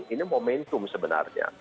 ini momentum sebenarnya